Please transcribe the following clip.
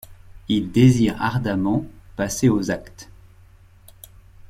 Ils désirent ardemment passer aux actes.